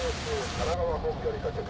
神奈川本部より各局。